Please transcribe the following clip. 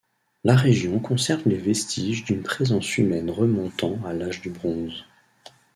La région conserve les vestiges d'une présence humaine remontant à l'Âge du bronze.